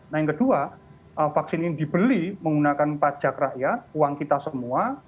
nah yang kedua vaksin ini dibeli menggunakan pajak rakyat uang kita semua